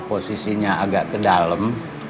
posisinya agak ke dalam